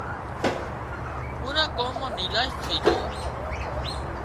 پُورا ڳام مان نيلاش ٿئي جھئي